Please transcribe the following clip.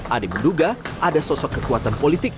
ade menduga ada sosok kekuatan politik